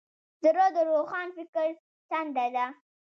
زړه د روښان فکر څنډه ده.